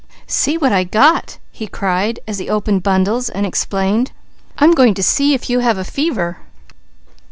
"See what I got!" he cried as he opened bundles and explained. "I'm going to see if you have fever."